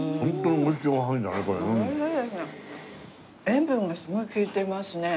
塩分がすごい利いてますね。